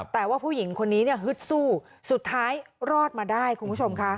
แต่ว่าผู้หญิงคนนี้เนี่ยฮึดสู้สุดท้ายรอดมาได้คุณผู้ชมค่ะ